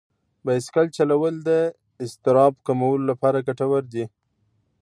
بایسکل چلول د اضطراب کمولو لپاره ګټور دي.